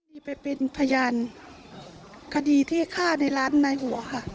ที่ไปเป็นพยานคดีที่ฆ่าในร้านในหัวค่ะ